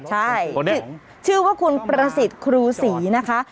ใช่คนนี้ชื่อว่าคุณประสิทธิ์ครูศรีนะคะ